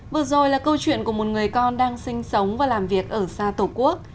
vừa rồi là câu chuyện của một người con đang sinh sống và làm việc ở xa tổ quốc